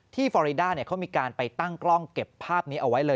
ฟอริดาเขามีการไปตั้งกล้องเก็บภาพนี้เอาไว้เลย